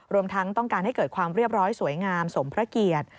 รวมทั้งต้องการให้เกิดความเรียบร้อยสวยงามสมพระเกียรติ